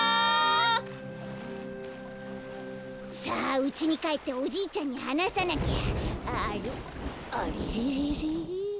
さあうちにかえっておじいちゃんにはなさなきゃ。